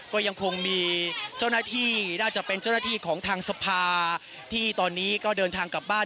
ก็ยังคงมีเจ้าหน้าที่น่าจะเป็นเจ้าหน้าที่ของทางสภาที่ตอนนี้ก็เดินทางกลับบ้าน